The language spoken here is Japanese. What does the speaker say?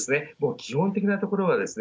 基本的なところはですね。